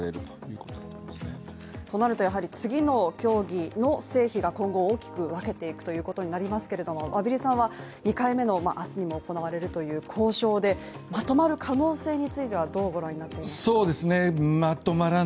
そうなると次の協議の成否が今後を大きく分けていくことになりますけれども、畔蒜さんは２回目の、明日にも行われるという交渉でまとまる可能性についてはどう御覧になっていますか？